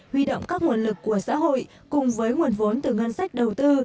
huy động các nguồn lực của xã hội cùng với nguồn vốn từ ngân sách đầu tư